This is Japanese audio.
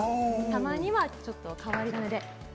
たまにはちょっと変り種で。